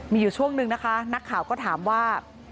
มีอยู่ช่วงนึงนะคะนักข่าวก็ถามว่า